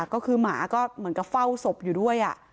ก็คือหมาก็เหมือนกับเฝ้าศพอยู่ด้วย